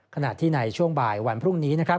ขณะที่ในช่วงบ่ายวันพรุ่งนี้นะครับ